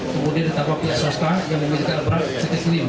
kemudian tetap oleh pihak swasta yang memiliki alat alat yang sedikit terim